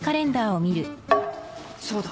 そうだ。